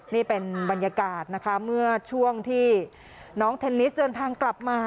นี่เป็นบรรยากาศนะคะเมื่อช่วงที่น้องเทนนิสเดินทางกลับมา